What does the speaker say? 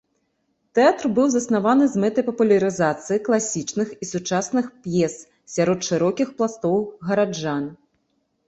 Тэатр быў заснаваны з мэтай папулярызацыі класічных і сучасных п'ес сярод шырокіх пластоў гараджан.